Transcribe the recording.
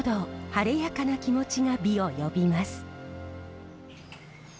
晴れやかな気持ちが美を呼びます。